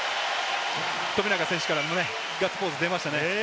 富永選手からもガッツポーズが出ましたね。